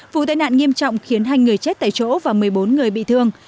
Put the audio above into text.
vụ tai nạn nghiêm trọng khiến hai người chết tại chỗ và một mươi bốn người bị thương